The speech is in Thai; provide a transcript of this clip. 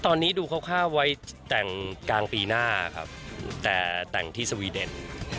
ตอนนี้ดูคร่าวไว้แต่งกลางปีหน้าครับแต่แต่งที่สวีเดน